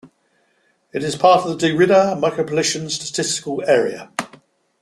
It is part of the DeRidder Micropolitan Statistical Area.